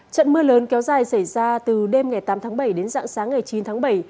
trận mưa lớn kéo dài xảy ra từ đêm ngày tám tháng bảy đến dạng sáng ngày chín tháng bảy